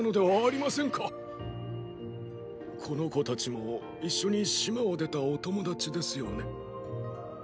この子達も一緒に島を出たお友達ですよね。